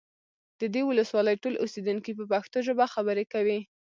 د دې ولسوالۍ ټول اوسیدونکي په پښتو ژبه خبرې کوي